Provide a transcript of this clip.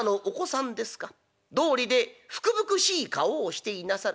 どうりで福々しい顔をしていなさる。